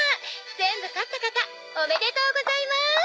「全部勝った方おめでとうございます！」